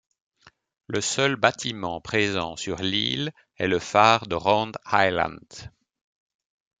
Le seul bâtiment présent sur l'île est le phare de Round Island.